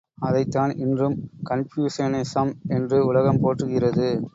அதைத்தான் இன்றும் கன்பூசியனிசம் என்று உலகம் போற்றுகிறது.